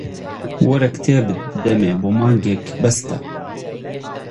وەرە کتێبت بدەمێ بۆ مانگێک بەستە